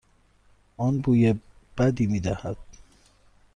آن بوی بدی میدهد.